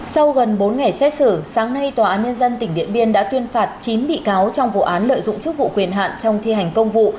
sau gần bốn ngày xét xử sáng nay tòa án nhân dân tỉnh điện biên đã tuyên phạt chín bị cáo trong vụ án lợi dụng chức vụ quyền hạn trong thi hành công vụ